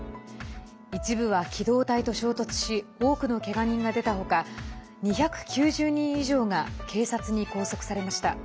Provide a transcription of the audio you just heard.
一部は機動隊と衝突し多くのけが人が出た他２９０人以上が警察に拘束されました。